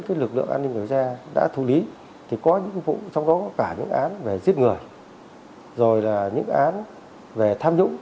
cái lực lượng an ninh điều tra đã thu lý thì có những vụ trong đó có cả những án về giết người rồi là những án về tham nhũng